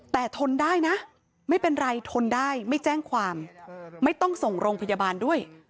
แต่ทนได้นะไม่เป็นไรทนได้ไม่แจ้งความไม่ต้องส่งโรงพยาบาลด้วย